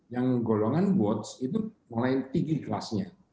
yang golongan watch itu mulai tinggi kelasnya